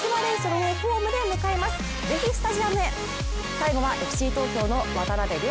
最後はＦＣ東京の渡邊凌